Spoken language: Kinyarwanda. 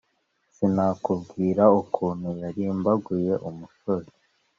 sinakubwira ukuntu yarimbaguye umusozi